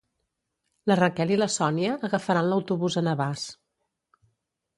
La Raquel i la Sònia agafaran l'autobús a Navàs